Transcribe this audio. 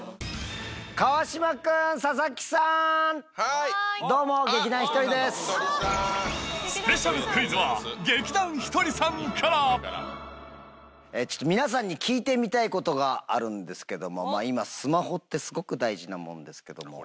川島君、佐々木さん、どうも、スペシャルクイズは、ちょっと皆さんに聞いてみたいことがあるんですけれども、今、スマホって、すごく大事なものですけれども。